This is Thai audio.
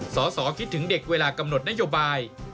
สสคิดถึงเด็กเวลากำหนดนโยบาย